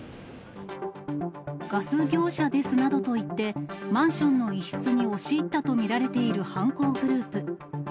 ガス業者ですなどと言って、マンションの一室に押し入ったと見られている犯行グループ。